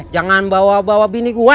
jangan bawa bawa bini gue